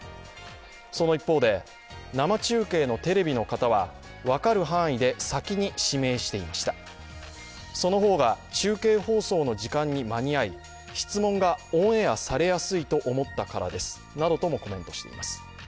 その一方で生中継のテレビの方は分かる範囲で先に指名していました、その方が中継放送の時間に間に合い、質問がオンエアされやすいと思ったからですなどともコメントしています。